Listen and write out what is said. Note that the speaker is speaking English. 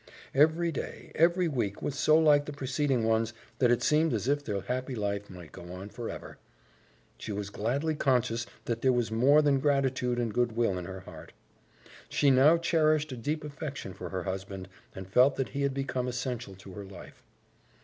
Every day, every week, was so like the preceding ones that it seemed as if their happy life might go on forever. She was gladly conscious that there was more than gratitude and good will in her heart. She now cherished a deep affection for her husband and felt that he had become essential to her life.